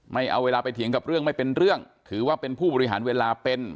ไม่เอาเวลาไปเถียงกับเรื่องไม่เป็นเรื่องถือว่าเป็นผู้บริหารเวลาเป็น